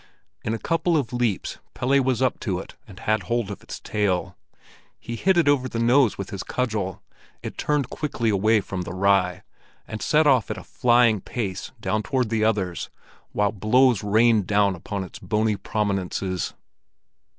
In a couple of leaps Pelle was up to it and had hold of its tail. He hit it over the nose with his cudgel, it turned quickly away from the rye, and set off at a flying pace down toward the others, while blows rained down upon its bony prominences.